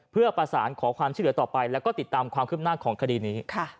เพื่อประสานขอความช่วยเหลือต่อไปแล้วก็ติดตามความคืบหน้าของคดีนี้